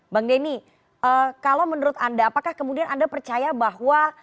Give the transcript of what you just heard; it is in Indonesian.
bang denny kalau menurut anda apakah kemudian anda percaya bahwa